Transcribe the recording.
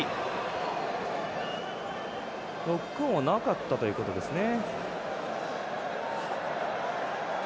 ノックオンはなかったということですね。